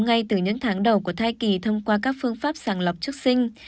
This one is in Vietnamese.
ngay từ những tháng đầu của thai kỳ thông qua các phương pháp sàng lọc trước sinh